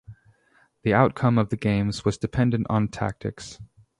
The outcome of the games was dependent on tactics.